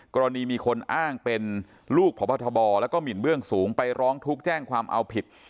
กรณีมีคนอ้างเป็นลูกพบทบแล้วก็หมินเบื้องสูงไปร้องทุกข์แจ้งความเอาผิด